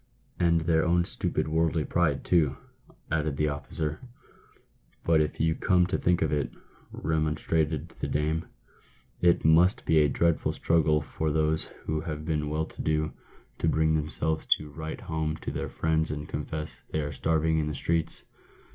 " And their own stupid, worldly pride, too," added the officer. " But if you come to think of it," remonstrated the dame, " it must be a dreadful struggle for those who have been well to do, to PAVED WITH GOLD. 25 bring themselves to write home to their friends and confess they are starving in the streets.